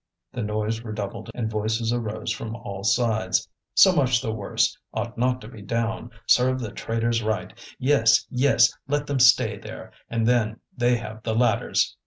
The noise redoubled and voices arose from all sides: "So much the worse! Ought not to go down! Serve the traitors right! Yes, yes, let them stay there! And then, they have the ladders!"